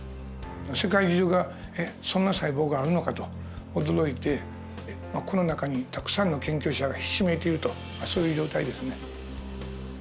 世界中がそんな細胞があるのかと驚いてこの中にたくさんの研究者がひしめいているとそういう状態ですね。